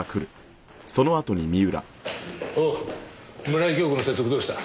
おう村井今日子の説得どうした？